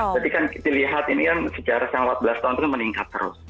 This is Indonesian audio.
jadi kan dilihat ini kan sejarah yang delapan belas tahun itu meningkat terus